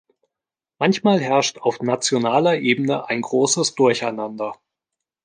Manchmal herrscht auf nationaler Ebene ein großes Durcheinander.